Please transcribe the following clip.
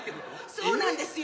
そうなんですよ。